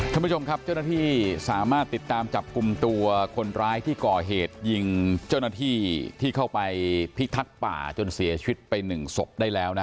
ท่านผู้ชมครับเจ้าหน้าที่สามารถติดตามจับกลุ่มตัวคนร้ายที่ก่อเหตุยิงเจ้าหน้าที่ที่เข้าไปพิทักษ์ป่าจนเสียชีวิตไป๑ศพได้แล้วนะ